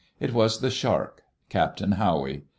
It was the Shark — Captain Howey.